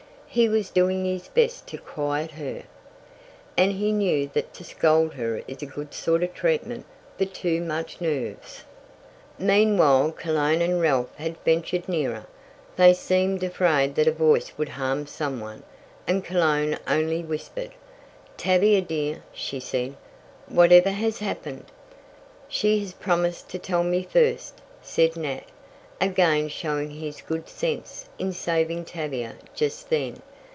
He was doing his best to quiet her, and he knew that to scold is a good sort of treatment for too much nerves. Meanwhile Cologne and Ralph had ventured nearer. They seemed afraid that a voice would harm some one, and Cologne only whispered. "Tavia dear," she said, "whatever has happened?" "She has promised to tell me first," said Nat, again showing his good sense in saving Tavia just then.